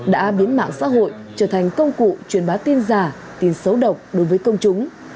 đã biến mạng xã hội trở thành công cụ truyền bá tin giả tin xấu độc đối với công chúng